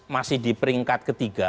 masih di peringkat ketiga